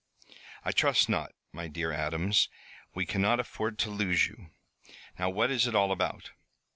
"I trust not, my dear Adams. We cannot afford to lose you. Now, what is it all about?"